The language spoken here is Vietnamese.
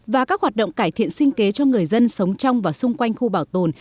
và các hoạt động cải thiện sinh kế cho người dân sống trong và xung quanh khu bảo tồn